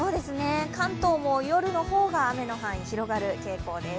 関東も夜の方が雨の範囲、広がる傾向です。